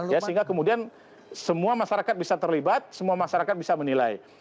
ya sehingga kemudian semua masyarakat bisa terlibat semua masyarakat bisa menilai